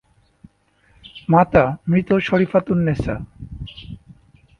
মাতা মৃত শরিফাতুন্নেসা।